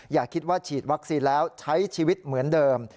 อย่าคิดว่าฉีดวัคซีนแล้วใช้ชีวิตเหมือนเดิม